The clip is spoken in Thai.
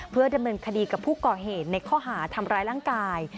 เพื่อดำเนินคดีกับผู้ก่อเหตุในข้อหาทำร้ายร่างกาย